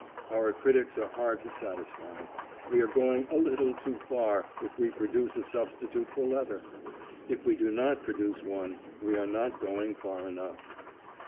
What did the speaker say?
Our critics are hard to satisfy. We are going "a little too far" if we produce a substitute for leather; if we do not produce one, we are not going far enough.